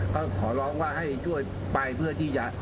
ก็ขอร้องให้ไม่ก็ช่วยไปเพื่อที่จะ